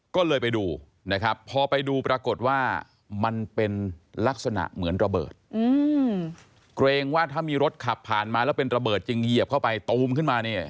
ก็เลยไปดูพอไปดูปรากฏว่ามันเป็นลักษณะเหมือนระเบิด